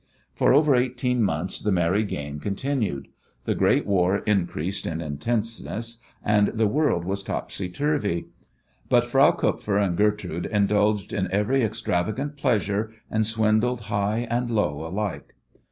For over eighteen months the merry game continued. The great war increased in intenseness, and the world was topsy turvy, but Frau Kupfer and Gertrude indulged in every extravagant pleasure, and swindled high and low alike.